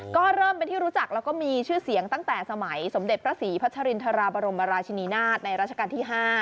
ก็เริ่มเป็นที่รู้จักแล้วก็มีชื่อเสียงตั้งแต่สมัยสมเด็จพระศรีพัชรินทราบรมราชินีนาฏในราชการที่๕